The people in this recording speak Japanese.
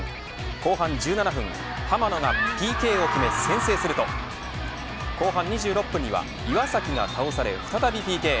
後半１７分浜野がＰＫを決め先制すると後半２６分には岩崎が倒され再びＰＫ。